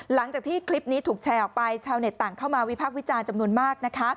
หลังจากที่คลิปนี้ถูกแชร์ออกไปชาวเน็ตต่างเข้ามาวิพักษ์วิจารณ์จำนวนมากนะคะ